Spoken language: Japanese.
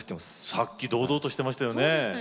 さっき堂々としてましたよね。